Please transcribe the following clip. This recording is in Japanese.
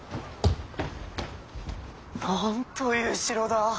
なんという城だ。